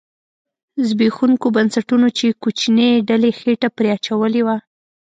زبېښوونکو بنسټونو چې کوچنۍ ډلې خېټه پرې اچولې وه